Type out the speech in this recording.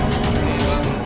tim liputan cnh indonesia